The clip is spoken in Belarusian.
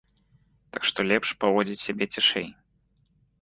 Так што лепш паводзіць сябе цішэй.